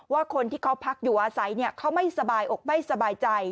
ว่าคนที่เขาพักอยู่อาศัยเขาไม่สบายอกไม่สบายใจ